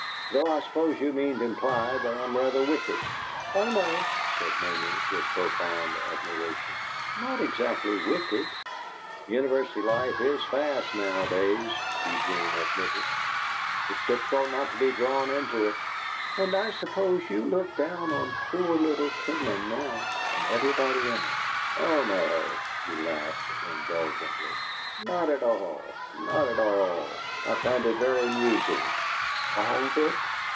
"Though I suppose you mean to imply that I'm rather wicked." "Oh no," said Mamie, with profound admiration, "not exactly wicked." "University life IS fast nowadays," Eugene admitted. "It's difficult not to be drawn into it!" "And I suppose you look down on poor little Canaan now, and everybody in it!" "Oh no," he laughed, indulgently. "Not at all, not at all! I find it very amusing." "All of it?"